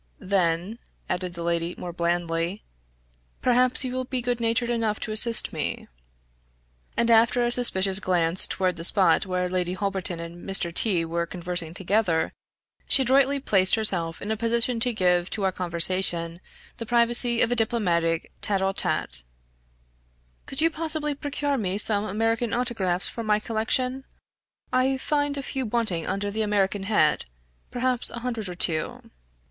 "Then," added the lady, more blandly, "perhaps you will be good natured enough to assist me." And, after a suspicious glance toward the spot where Lady Holberton and Mr. T were conversing together, she adroitly placed herself in a position to give to our conversation the privacy of a diplomatic tete a tete. "Could you possibly procure me some American autographs for my collection? I find a few wanting under the American head perhaps a hundred or two."